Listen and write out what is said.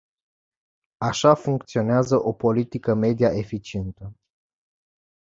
Așa funcționează o politică media eficientă.